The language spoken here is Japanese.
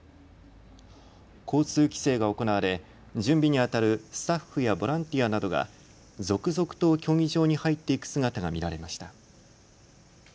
交通規制が行われ準備にあたるスタッフやボランティアなどが続々と競技場に入っていく姿が見られました。